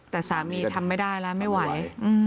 แต่สามีทำไม่ได้แล้วไม่ไหว